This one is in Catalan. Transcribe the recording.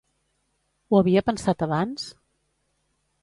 Ho havia pensat abans?